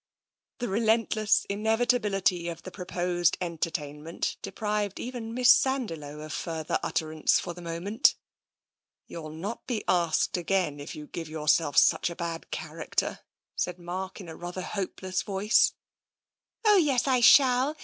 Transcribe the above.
The relentless inevitability of the proposed enter tainment deprived even Miss Sandiloe of further ut terance for the moment. " You will not be asked again if you give yourself such a bad character," said Mark in a rather hopeless voice. " Oh, yes, I shall.